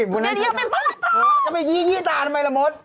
เดี๋ยวไม่เปิดเลยอย่าไปยี่ตาทำไมละมด